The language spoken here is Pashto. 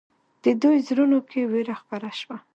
د دوی زړونو کې وېره خپره شوه.